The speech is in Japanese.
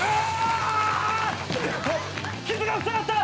傷がふさがった。